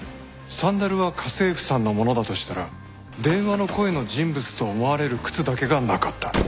サンダルは家政婦さんのものだとしたら電話の声の人物と思われる靴だけがなかった。